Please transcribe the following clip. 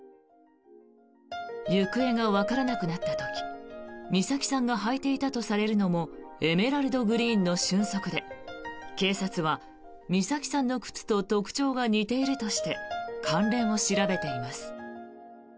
行方がわからなくなった時美咲さんが履いていたとされるのもエメラルドグリーンの瞬足で警察は美咲さんの靴と特徴が似ているとして関連を調べています。